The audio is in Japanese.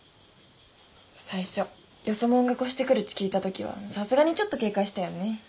最初よそもんが越してくるっち聞いたときはさすがにちょっと警戒したよね。